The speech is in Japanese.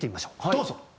どうぞ！